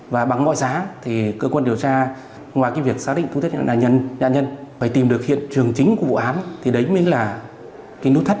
và bằng mọi giá thì cơ quan điều tra ngoài cái việc xác định thương tích của nạn nhân phải tìm được hiện trường chính của vụ án thì đấy mới là cái nút thất chính của cái vụ án này